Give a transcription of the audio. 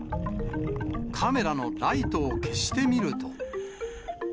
カメラのライトを消してみると。